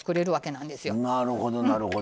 なるほどなるほど。